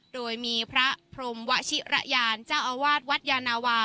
โดยมีพระพรมวชิระยานเจ้าอาวาสวัดยานาวา